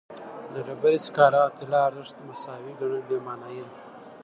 د ډبرې سکاره او طلا ارزښت مساوي ګڼل بېمعنایي ده.